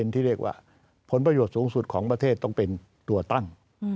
ที่เรียกว่าผลประโยชน์สูงสุดของประเทศต้องเป็นตัวตั้ง